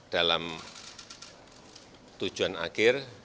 dalam tujuan akhir